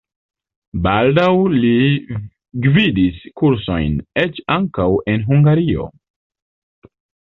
Baldaŭ li gvidis kursojn, eĉ ankaŭ en Hungario.